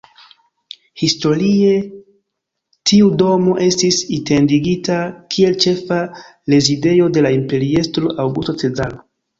Historie, tiu domo estis identigita kiel ĉefa rezidejo de la imperiestro Aŭgusto Cezaro.